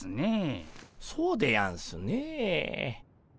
そうでやんすねえ。